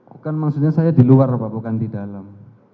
bukan maksudnya saya di luar bapak bukan di dalam